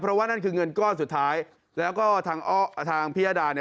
เพราะว่านั่นคือเงินก้อนสุดท้ายแล้วก็ทางพิยดาเนี่ย